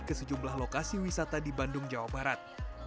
ke sejumlah lokasi wisata di bandung jawa barat